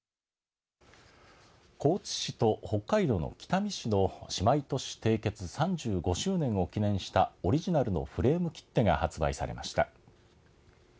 高知市と北海道の北見市の姉妹都市締結３５周年を記念したオリジナルのフレーム切手が発売されました。